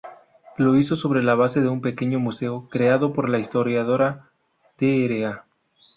Lo hizo sobre la base de un pequeño museo creado por la historiadora Dra.